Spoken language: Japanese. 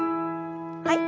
はい。